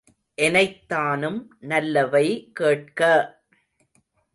எனைத்தானும் நல்லவை கேட்க!